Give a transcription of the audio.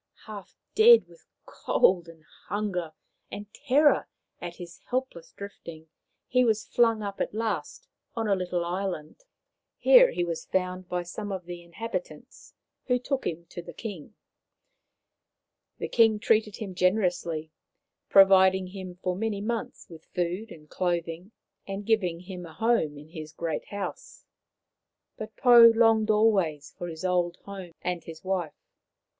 Half dead with cold and hunger and terror at his helpless drifting, he was flung up at last on a little island. Here he was found by some of the inhabitants, who took him to the king. The king treated him generously, providing him for many months with food and clothing, and giving him a home in his great house. But Pou longed always for his old home and his wife.